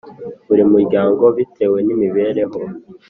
buri muryango, bitewe n’imibereho